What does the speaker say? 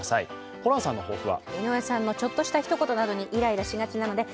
ホランさんの抱負は？